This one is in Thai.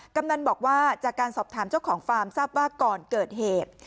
กำนันบอกว่าจากการสอบถามเจ้าของฟาร์มทราบว่าก่อนเกิดเหตุ